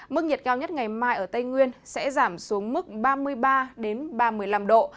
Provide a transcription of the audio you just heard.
mức nhiệt cao nhất ngày mai ở tây nguyên sẽ giảm xuống mức ba mươi ba ba mươi năm độ